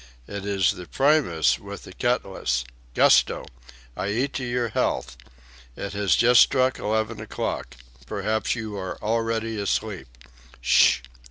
It is the primus with the cutlet Gusto! I eat to your health. It has just struck 11 o'clock. Perhaps you are already asleep.